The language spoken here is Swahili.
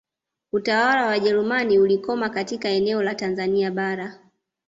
Utawala wa Wajerumani ulikoma katika eneo la Tanzania Bara